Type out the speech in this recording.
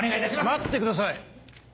待ってください！